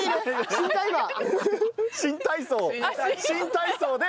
新体操で。